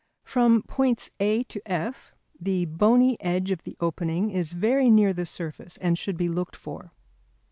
From points A to F the bony edge of the opening is very near the surface and should be looked for.